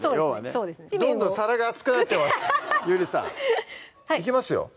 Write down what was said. そうですねどんどん皿が熱くなってますいきますよ